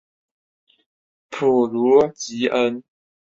普卢吉恩。